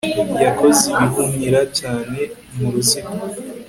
Yakoze ibihunyira cyane muruziga